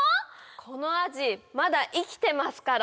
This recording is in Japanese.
このアジまだ生きてますから。